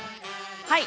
はい。